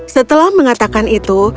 setelah mengatakan itu